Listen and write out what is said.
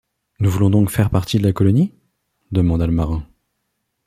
Nous voulons donc faire partie de la colonie ? demanda le marin.